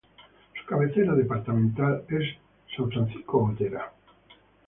Su cabecera departamental es San Francisco Gotera.